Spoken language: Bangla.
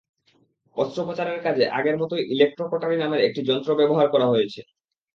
অস্ত্রোপচারের কাজে আগের মতোই ইলেকট্রো কটারি নামের একটি যন্ত্র ব্যবহার করা হয়েছে।